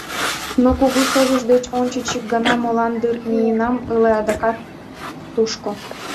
Но кугу согыш деч ончыч ик гана молан дыр миенам ыле адак тушко.